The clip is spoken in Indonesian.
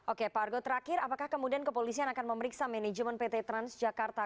oke pak argo terakhir apakah kemudian kepolisian akan memeriksa manajemen pt transjakarta